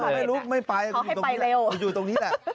ไม่รู้ไม่ไปอยู่ตรงนี้แหละ